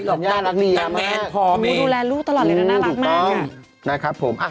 โน้นดูแลลูกตลอดเลยนะน่ารักมาก